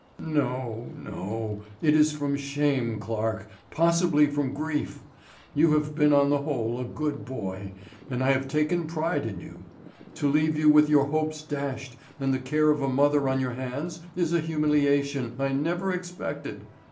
"No, no; it is from shame, Clarke, possibly from grief. You have been on the whole a good boy, and I have taken pride in you. To leave you with your hopes dashed, and the care of a mother on your hands, is a humiliation I never expected.